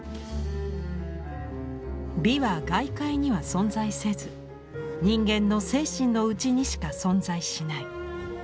美は外界には存在せず人間の精神の内にしか存在しない。